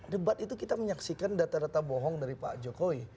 debat itu kita menyaksikan data data bohong dari pak jokowi